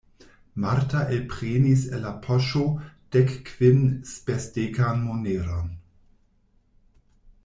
Marta elprenis el la poŝo dekkvinspesdekan moneron.